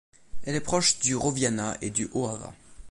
Elle est proche du roviana et du hoava.